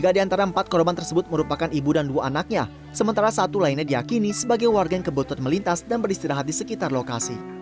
tiga diantara empat korban tersebut merupakan ibu dan dua anaknya sementara satu lainnya diakini sebagai warga yang kebutuhan melintas dan beristirahat di sekitar lokasi